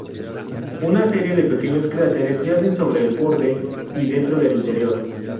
Una serie de pequeños cráteres yacen sobre el borde y dentro del interior.